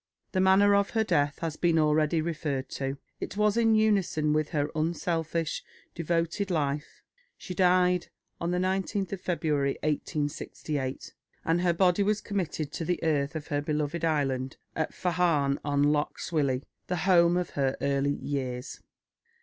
The manner of her death has been already referred to. It was in unison with her unselfish, devoted life. She died on the 19th February 1868, and her body was committed to the earth of her beloved Ireland, at Fahan, on Lough Swilly, the home of her early years.